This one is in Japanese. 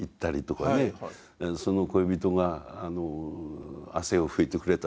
その恋人が汗を拭いてくれたとか。